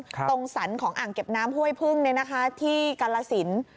ตรงสันของอ่างเก็บน้ำห้วยพึ่งเนี่ยนะคะที่กาลสิน